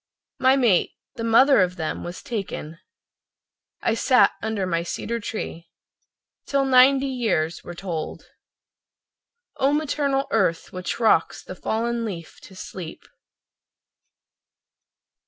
My mate, the mother of them, was taken— I sat under my cedar tree, Till ninety years were tolled. O maternal Earth, which rocks the fallen leaf to sleep.